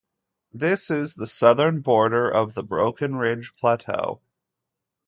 This is the southern border of the Broken Ridge Plateau.